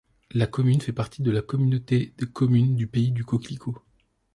La commune fait partie de la communauté de communes du Pays du Coquelicot.